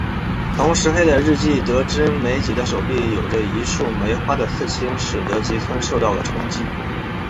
从石黑的日记得知美几的手臂有着一束梅花的刺青使得吉村受到了冲击。